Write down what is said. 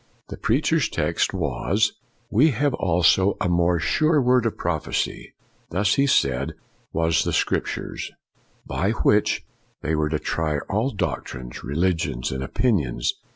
The preacher's text was, We have also a more sure word of prophecy.' 1 This, he said, was the Scrip tures, " by which they were to try all doc trines, religions, and opinions."